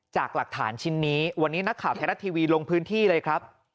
จากหลักฐานชิ้นนี้วันนี้นักข่าวไทยรัฐทีวีลงพื้นที่เลยครับ